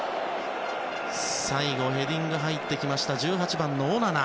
最後、ヘディングで入ってきたのは１８番のオナナ。